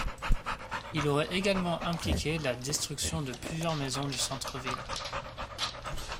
Il aurait également impliqué la destruction de plusieurs maisons du centre ville.